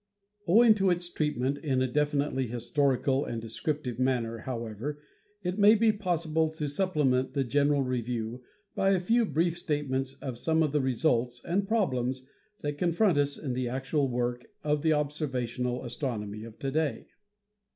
Owing to its treatment in a defi nitely historical and descriptive manner, however, it may be possible to supplement the general review by a few brief statements of some of the results and problems that confront us in the actual work of the observational as tronomy of to day.